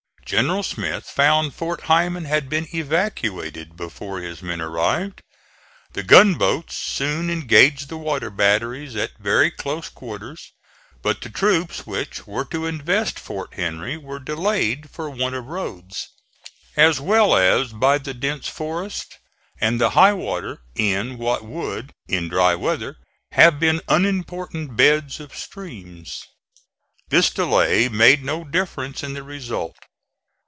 General Smith found Fort Heiman had been evacuated before his men arrived. The gunboats soon engaged the water batteries at very close quarters, but the troops which were to invest Fort Henry were delayed for want of roads, as well as by the dense forest and the high water in what would in dry weather have been unimportant beds of streams. This delay made no difference in the result.